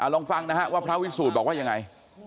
ลองฟังนะฮะว่าพระวิสูจน์บอกว่ายังไง